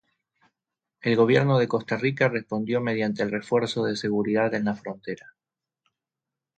El Gobierno de Costa Rica respondió mediante el refuerzo de seguridad en la frontera.